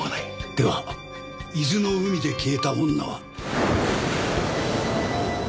では伊豆の海で消えた女は。